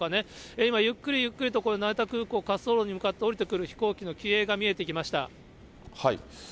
今、ゆっくりゆっくりと成田空港、滑走路に向かって下りてくる飛行機の機影が見えてきました。